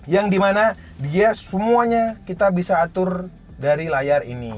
yang dimana dia semuanya kita bisa atur dari layar ini